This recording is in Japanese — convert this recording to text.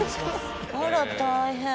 あら大変！